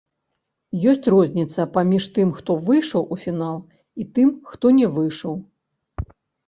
Ёсць розніца паміж тым, хто выйшаў у фінал, і тым, хто не выйшаў.